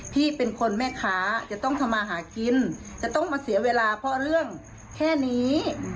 พี่เป็นคนแม่ค้าจะต้องทำมาหากินจะต้องมาเสียเวลาเพราะเรื่องแค่นี้